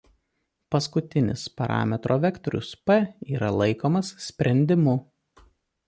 Paskutinis parametro vektorius p yra laikomas sprendimu.